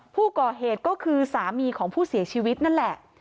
ผู้ก่อเหตุก็คือสามีของผู้เสียชีวิตนั่นแหละ